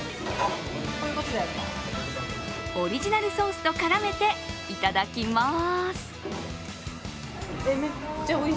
オリジナルソースと絡めていただきます。